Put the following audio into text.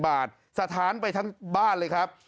บาทสถานไปทั้งบ้านเลยครับ